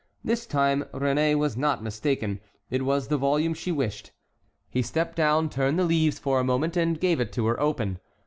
This time Réné was not mistaken; it was the volume she wished. He stepped down, turned the leaves for a moment, and gave it to her open.